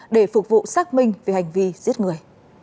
để phục vụ xác minh về hành vi giết người